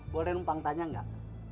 boleh rumpang tanya gak